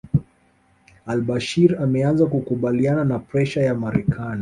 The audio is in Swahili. AlBashir ameanza kukubaliana na presha ya Marekani